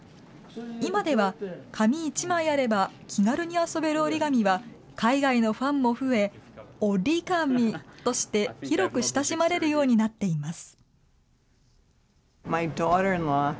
今では、紙一枚あれば気軽に遊べる折り紙は、海外のファンも増え、ＯＲＩＧＡＭＩとして広く親しまれるようになっています。